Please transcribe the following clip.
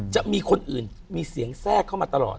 จะมีคนอื่นมีเสียงแทรกเข้ามาตลอด